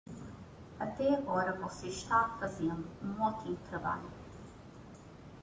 Até agora você está fazendo um ótimo trabalho.